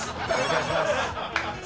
お願いします。